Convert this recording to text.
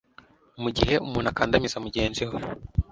mu gihe umuntu akandamiza mugenzi we